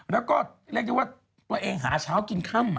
แล้วก็เรียกได้ว่าตัวเองหาเช้ากินค่ำ